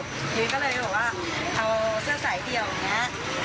ทีนี้ก็เลยบอกว่าเอาเสื้อไซส์เดียวอย่างเนี้ย